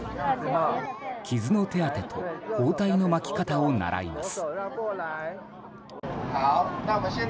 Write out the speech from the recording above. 傷の手当てと包帯の巻き方を習います。